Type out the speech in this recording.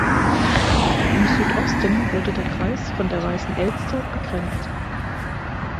Im Südosten wurde der Kreis von der Weißen Elster begrenzt.